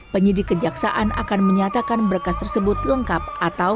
penyidik kejaksaan akan menyatakan berkas tersebut lengkap atau p dua puluh satu